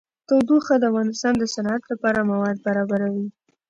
تودوخه د افغانستان د صنعت لپاره مواد برابروي.